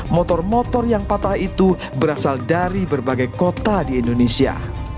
motor motor yang patah itu berasal dari berbagai kota di indonesia